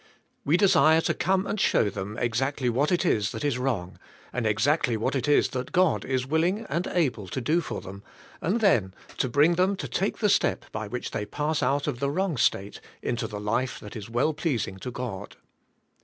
We desire to come and show them exactly what it is that is wrong, and ex actly what it is that God is willing and able to do for them, and then to bring them to take the step by which they pass out of the wrong state into the life that is well pleasing to God.